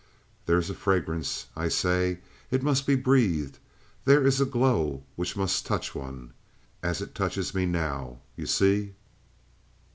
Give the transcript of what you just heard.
There is a fragrance, I say. It must be breathed. There is a glow which must touch one. As it touches me now, you see?"